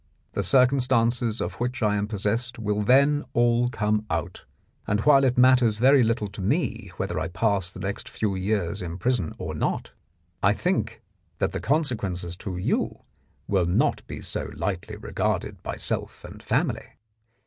The circumstances of which I am possessed will then all come out, and while it matters very little to me whether I pass the next few years in prison or not, I think that the consequences to you will not be so lightly regarded by self and family.